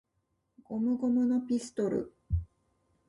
ゴムゴムのピストル!!!